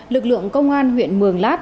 lực lượng công an huyện mường lát